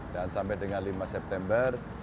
dan sampai dengan lima september